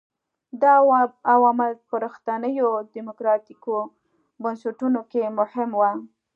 دا عوامل په رښتینو ډیموکراټیکو بنسټونو کې مهم وو.